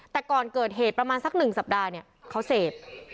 แต่ก่อนเกิดเหตุประมาณสัก๑สัปดาห์เนี่ยเขาเสพ